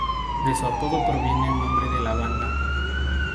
De su apodo proviene el nombre de la banda.